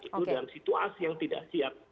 itu dalam situasi yang tidak siap